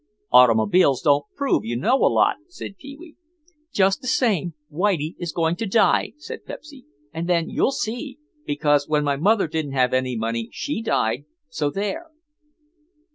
"Automobiles don't prove you know a lot," said Pee wee. "Just the same Whitie is going to die," said Pepsy, "and then you'll see, because when my mother didn't have any money she died, so there."